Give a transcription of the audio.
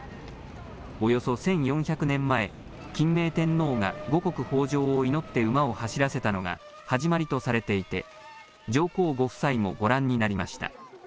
およそ１４００年前、欽明天皇が五穀豊じょうを祈って馬を走らせたのが、始まりとされていて、上皇ご夫妻もご覧になりました。